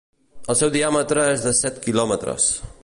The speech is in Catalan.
El seu diàmetre és de set quilòmetres.